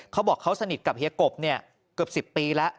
เขาบอกเขาสนิทกับเฮียกบเนี่ยเกือบ๑๐ปีแล้ว